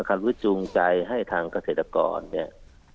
การวิจรุงใจให้ทางเศรษฐรกรเนี่ย